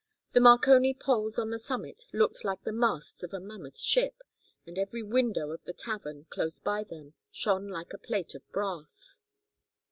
The Marconi poles on the summit looked like the masts of a mammoth ship, and every window of The Tavern, close by them, shone like a plate of brass.